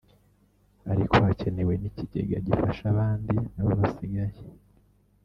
ariko hakenewe n’ikigega gifasha abandi na bo basigaye